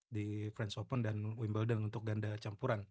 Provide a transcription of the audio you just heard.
di french open dan wimbledon untuk ganda campuran